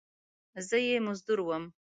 زه یې مزدور وم !